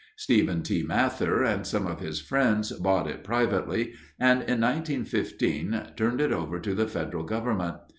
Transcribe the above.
Stephen T. Mather and some of his friends bought it privately and in 1915 turned it over to the federal government.